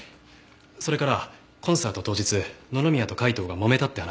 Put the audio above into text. それからコンサート当日野々宮と海東がもめたって話。